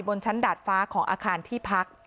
ชั้นดาดฟ้าของอาคารที่พัก